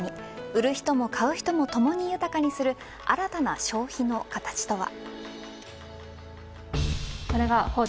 売る人も買う人もともに豊かにする新たな消費の形とは。